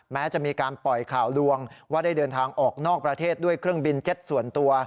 แม้จะมีการปล่อยข่าวลวงว่าได้เดินทางออกนอกประเทศด้วยเครื่องบินเจ็ตส่วนตัว